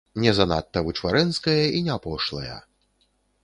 Не занадта вычварэнская і не пошлая.